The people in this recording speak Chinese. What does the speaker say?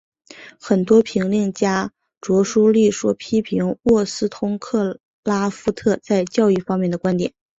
很多评论家着书立说批评沃斯通克拉夫特在教育方面的观点。